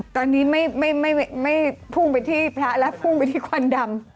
ตอนนี้ไม่พุ่งไปที่พระแล้วพุ่งไปที่ควันดำ